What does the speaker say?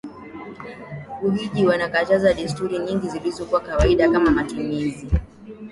kuhiji wakakataza desturi nyingi zilizokuwa kawaida kama matumizi